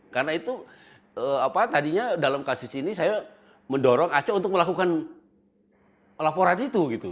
karena itu tadinya dalam kasus ini saya mendorong aco untuk melakukan laporan itu